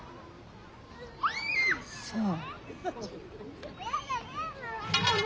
そう。